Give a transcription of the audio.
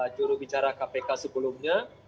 jurubicara kpk sebelumnya